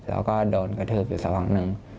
แล้วก็โดนกระทืบอยู่สักฝั่งหนึ่ง